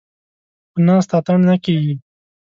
ـ په ناسته اتڼ نه کېږي.